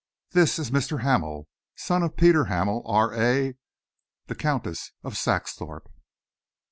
This is Mr. Hamel, son of Peter Hamel, R.A. the Countess of Saxthorpe."